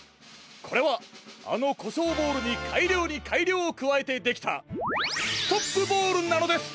これはあのコショウボールにかいりょうにかいりょうをくわえてできたストップボールなのです！